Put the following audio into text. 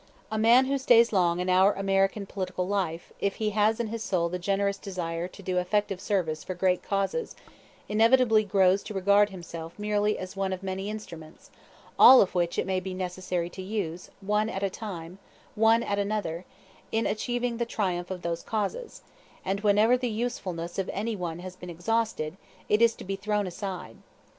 A man who stays long in our American political life, if he has in his soul the generous desire to do effective service for great causes, inevitably grows to regard himself merely as one of many instruments, all of which it may be necessary to use, one at one time, one at another, in achieving the triumph of those causes; and whenever the usefulness of any one has been exhausted, it is to be thrown aside.